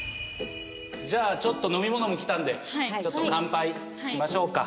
じゃあちょっと飲み物も来たんでちょっと乾杯しましょうか。